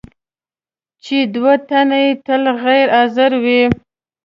چې دوه تنه یې تل غیر حاضر وي.